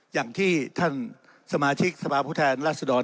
อย่างที่ท่านสมาชิกสมาภุแทนลัสดอน